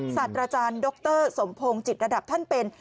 สัตว์อาจารย์ดรสมพงศ์จิตระดับท่านเป็น